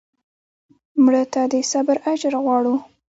مړه ته د صبر اجر غواړو